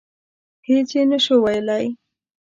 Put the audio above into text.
هېڅ یې نه شو ویلای.